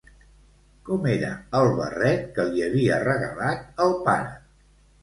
Com era el barret que li havia regalat el pare?